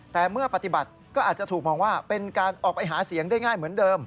แต่เมื่อปฏิบัติก็อาจจะถูกมองว่าเป็นการออกไปหาเสียงได้ง่ายเหมือนเดิม